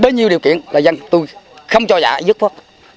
bấy nhiêu điều kiện là dân tôi không cho trả dứt bóp